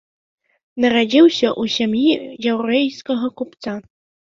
Нарадзіўся ў сям'і яўрэйскага купца.